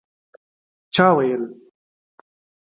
چا ویل